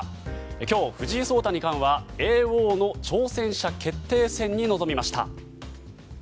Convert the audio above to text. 今日、藤井聡太二冠は叡王の挑戦者決定戦に臨みました。